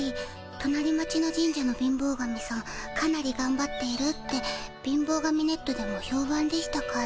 となり町の神社の貧乏神さんかなりがんばっているって貧乏神ネットでもひょうばんでしたから。